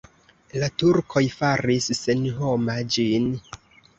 La turkoj faris senhoma ĝin.